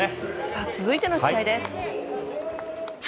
さあ、続いての試合です。